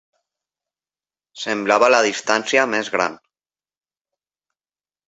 Semblava la distància més gran.